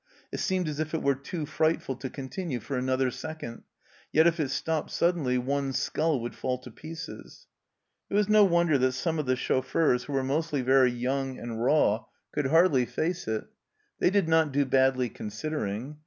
It seemed as if it were too frightful to continue for another second, yet if it stopped suddenly one's skull would fall to pieces ! It was no wonder that some of the chauffeurs, who were mostly very young and raw, could hardly face it. They did not do badly considering.